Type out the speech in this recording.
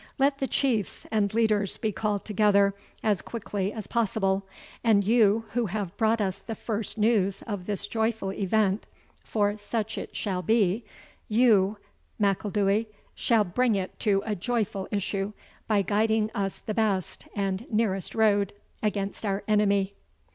Let the Chiefs and leaders be called together as quickly as possible; and you, who have brought us the first news of this joyful event, for such it shall be, you, M'Ilduy, shall bring it to a joyful issue, by guiding us the best and nearest road against our enemy."